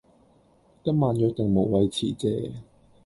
今晚約定無謂辭謝